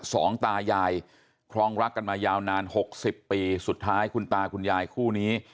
สองตายายครองรักกันมายาวนานหกสิบปีสุดท้ายคุณตาคุณยายคู่นี้